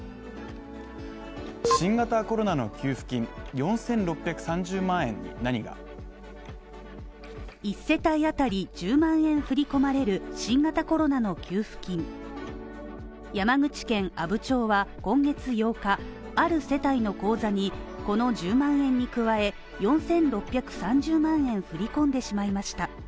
新型コロナの給付金４６３０万円に何が１世帯当たり１０万円振り込まれる新型コロナの給付金山口県阿武町は今月８日、ある世帯の口座に、この１０万円に加え、４６３０万円振り込んでしまいました。